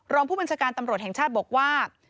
รองผู้บัญชาการตำรวจแห่งชาติบอกว่า